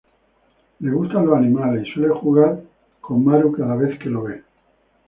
Le gustan los animales y suele jugar con Maru cada vez que lo ve.